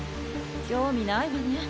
興味ないわね。